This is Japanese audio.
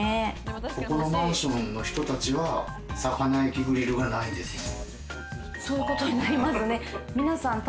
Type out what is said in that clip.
ここのマンションの人たちは魚焼きグリルがそういうことになりますね。